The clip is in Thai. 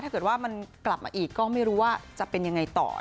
ถ้าเกิดว่ามันกลับมาอีกก็ไม่รู้ว่าจะเป็นยังไงต่อ